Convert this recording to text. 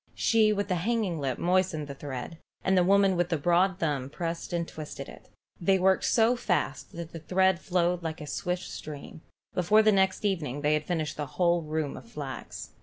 She with the hanging lip moistened the thread, and the woman with the broad thumb pressed and twisted it. They worked so fast that the thread flowed on like a swift stream. Before the next evening they had finished the whole roomful of flax.